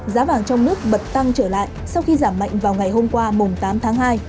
giá vàng trong nước bật tăng trở lại sau khi giảm mạnh vào ngày hôm qua tám tháng hai